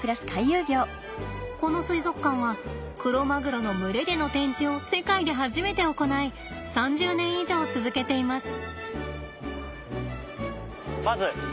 この水族館はクロマグロの群れでの展示を世界で初めて行い３０年以上続けています。